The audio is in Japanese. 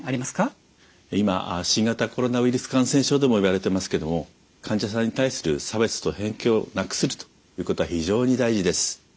今新型コロナウイルス感染症でも言われてますけども患者さんに対する差別と偏見をなくすことは非常に大事です。